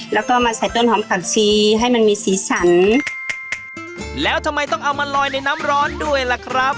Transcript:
แล้วก็มาใส่ต้นหอมตัดซีให้มันมีสีสันแล้วทำไมต้องเอามาลอยในน้ำร้อนด้วยล่ะครับ